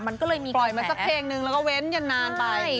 มันก็เลยมีกระแสกล่วยมาสักเพลงหนึ่งแล้วก็เว้นอย่างนานไปใช่